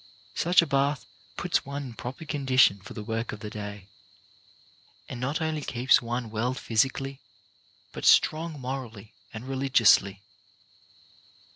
Such a bath puts one in proper condition for the work of the day, and not only keeps one well physically, but strong morally and religiously.